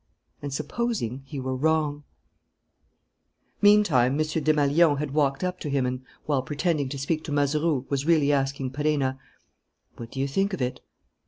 And supposing he were wrong? Meantime, M. Desmalions had walked up to him and, while pretending to speak to Mazeroux, was really asking Perenna: "What do you think of it?"